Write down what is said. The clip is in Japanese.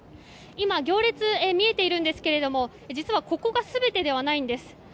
今、行列見えているんですけど実はここが全てではないんです。